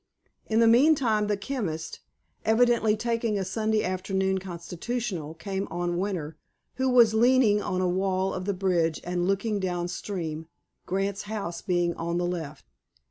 In the meantime the chemist, evidently taking a Sunday afternoon constitutional, came on Winter, who was leaning on a wall of the bridge and looking down stream—Grant's house being on the left.